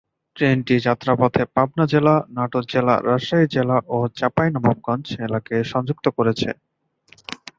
ট্রেনটি যাত্রাপথে পাবনা জেলা, নাটোর জেলা, রাজশাহী জেলা ও চাঁপাইনবাবগঞ্জ জেলাকে সংযুক্ত করেছে।